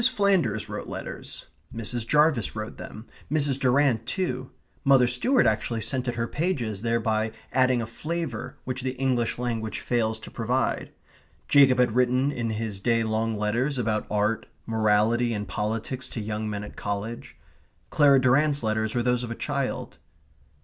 Flanders wrote letters; Mrs. Jarvis wrote them; Mrs. Durrant too; Mother Stuart actually scented her pages, thereby adding a flavour which the English language fails to provide; Jacob had written in his day long letters about art, morality, and politics to young men at college. Clara Durrant's letters were those of a child.